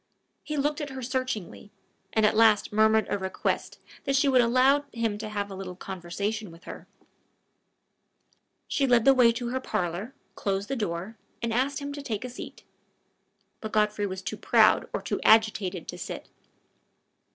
He looked at her searchingly, and at last murmured a request that she would allow him to have a little conversation with her. She led the way to her parlor, closed the door, and asked him to take a seat. But Godfrey was too proud or too agitated to sit.